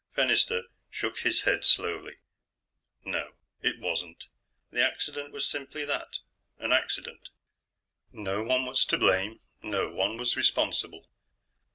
Fennister shook his head slowly. No. It wasn't. The accident was simply that an accident. No one was to blame; no one was responsible.